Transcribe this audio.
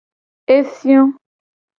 Efio.